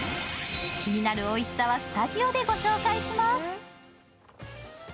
気になるおいしさはスタジオでご紹介します。